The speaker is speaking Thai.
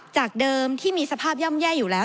จากเดิมที่มีสภาพย่อมแย่อยู่แล้ว